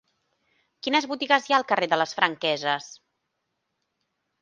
Quines botigues hi ha al carrer de les Franqueses?